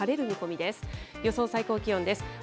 予想最高気温です。